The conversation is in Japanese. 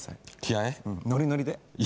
ノリノリで。